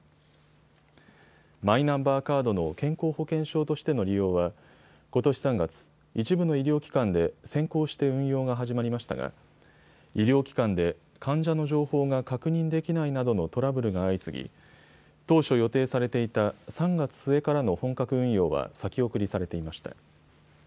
マイナンバーカードの健康保険証としての利用はことし３月、一部の医療機関で先行して運用が始まりましたが医療機関で患者の情報が確認できないなどのトラブルが相次ぎ当初予定されていた３月末からの本格運用は先送りされていました。